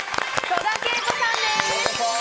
戸田恵子さんです。